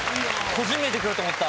個人名でくると思った。